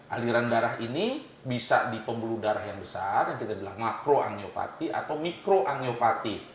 aliran darah ini bisa di pembuluh darah yang besar yang kita bilang makro amiopati atau mikroangiopati